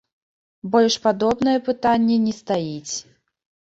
Больш падобнае пытанне не стаіць.